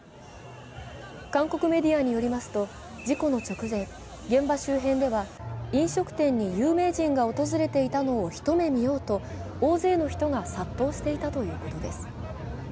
韓国メディアによりますと事故の直前、現場周辺では飲食店に有名人が訪れていたのを、ひと目見ようと大勢の人が殺到していたということです。